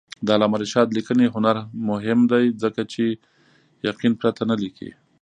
د علامه رشاد لیکنی هنر مهم دی ځکه چې یقین پرته نه لیکي.